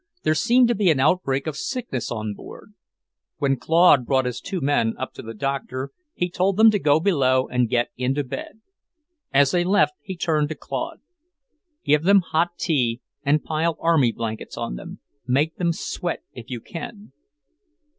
There seemed to be an outbreak of sickness on board. When Claude brought his two men up to the Doctor, he told them to go below and get into bed. As they left he turned to Claude. "Give them hot tea, and pile army blankets on them. Make them sweat if you can."